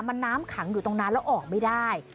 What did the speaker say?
มันน้ำขังอยู่ตรงนั้นแล้วออกไม่ได้